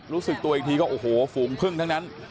รู้สึกตัวอีกทีก็โอ้โหฝูงพึ่งทั้งนั้น